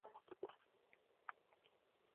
努斯拉阵线悬赏奖励任何活捉俄军士兵的人。